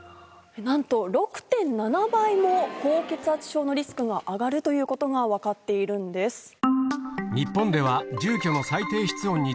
なんと６．７倍も高血圧症のリスクが上がるということが分かっているんです。